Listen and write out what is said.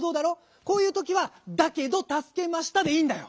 こういうときは「『だけど』たすけました」でいいんだよ。